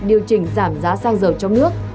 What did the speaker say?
điều chỉnh giảm giá xăng dầu trong nước